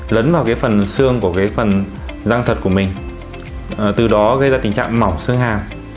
lấn vào phần xương của phần răng thật của mình từ đó gây ra tình trạng mỏng xương hàm